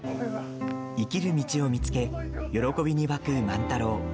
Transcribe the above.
生きる道を見つけ喜びに沸く万太郎。